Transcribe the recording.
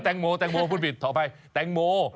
แตงโมแตงโมพูดผิดขออภัยแตงโม